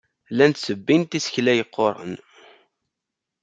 Llant ttebbint isekla yeqquren.